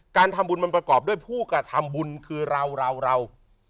การทำบุญมันประกอบด้วยผู้กระทำบุญคือเราเรา